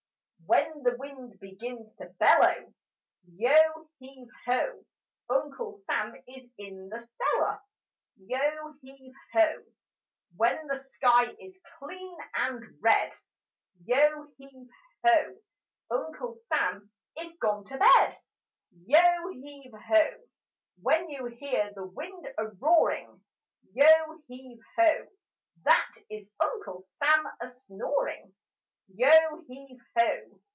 When the wind begins to bellow, Yo heave ho! Uncle Sam is in the cellar: Yo heave ho! When the sky is clean and red, Yo heave ho! Uncle Sam is gone to bed: Yo heave ho! When you hear the wind a roaring, Yo heave ho! That is Uncle Sam a snoring: Yo heave ho!